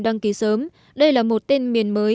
đăng ký sớm đây là một tên miền mới